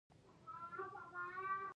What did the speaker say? بې حده یې ځان ستړی کړی دی.